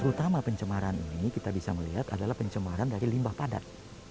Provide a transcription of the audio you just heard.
terutama pencemaran ini kita bisa melihat adalah pencemaran dari limbah padat